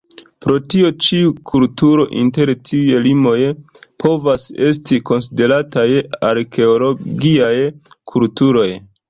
Pro tio ĉiu kulturo inter tiuj limoj povas esti konsiderataj Arkeologiaj kulturoj.